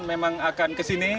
memang akan ke sini